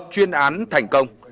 chuyên án thành công